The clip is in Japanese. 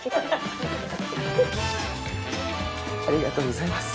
ありがとうございます。